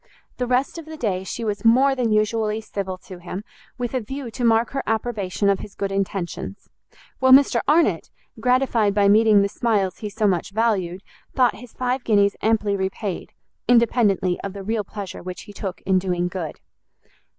The rest of the day she was more than usually civil to him, with a view to mark her approbation of his good intentions: while Mr Arnott, gratified by meeting the smiles he so much valued, thought his five guineas amply repaid, independently of the real pleasure which he took in doing good.